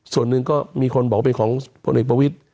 ส่วนหนึ่งก็มีคนบอกเป็นของปฐพว